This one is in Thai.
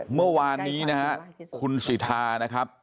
เมื่อวานนี้นะฮะคุณสิทานะครับ